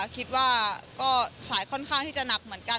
คิดว่าก็สายค่อนข้างที่จะหนักเหมือนกัน